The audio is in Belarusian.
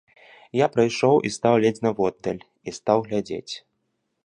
Я прайшоў і стаў ледзь наводдаль, і стаў глядзець.